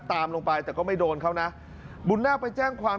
ตามลงไปแต่ก็ไม่โดนเขานะบุญนาคไปแจ้งความ